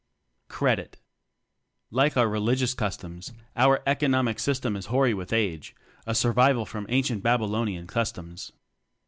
"Credit." Like our religious forms, our Eco nomic System is hoary with age a survival from ancient Babylonian cus 20 TECHNOCRACY toms.